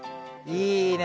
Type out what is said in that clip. いいね。